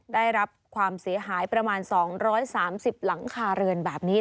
ได้รับความเสียหายประมาณ๒๓๐หลังคาเรือนแบบนี้